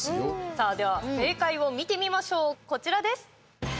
さあ、では正解を見てみましょう、こちらです。